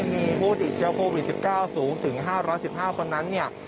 มีผู้ติดเชิดโควิด๑๙สูงถึง๕๑๕นนั้น